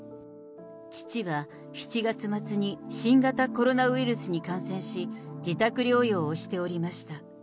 父は７月末に新型コロナウイルスに感染し、自宅療養をしておりました。